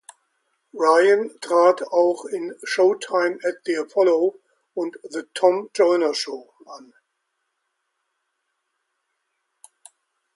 Ryan trat auch in "Showtime at the Apollo" und "The Tom Joyner Show" an.